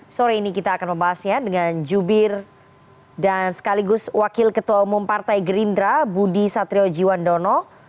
sore ini kita akan membahasnya dengan jubir dan sekaligus wakil ketua umum partai gerindra budi satriojiwandono